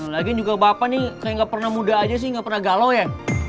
lagi juga bapak nih kayak gak pernah muda aja sih nggak pernah galau ya